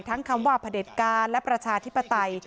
ทั้งคำว่าผด็ตการและประชาธิปุติ